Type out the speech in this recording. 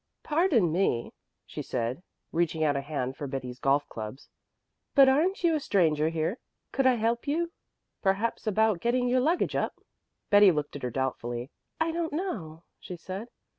"Pardon me," she said, reaching out a hand for Betty's golf clubs, "but aren't you a stranger here? Could I help you, perhaps, about getting your luggage up?" Betty looked at her doubtfully. "I don't know," she said.